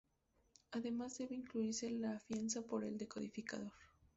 Además debe incluirse la fianza por el decodificador.